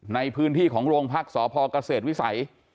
ในพื้นที่ของโรงพักษ์สพเกษตรวิสัย